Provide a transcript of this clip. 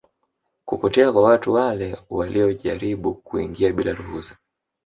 kupotea kwa watu wale wanaojaribu kuingia bila ruhusu